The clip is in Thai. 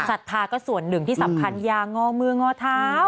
ศรัทธาก็ส่วนหนึ่งที่สำคัญยางอมืองอเท้า